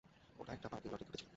ওটা একটা পার্কিং লটে ঘটেছিল।